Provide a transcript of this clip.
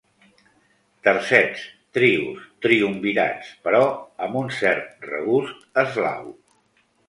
Tercets, trios, triumvirats, però amb un cert regust eslau.